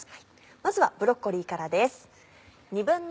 まずはブロッコリーからです。